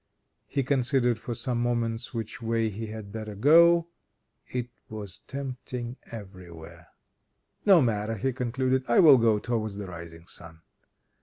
He considered for some moments which way he had better go it was tempting everywhere. "No matter," he concluded, "I will go towards the rising sun."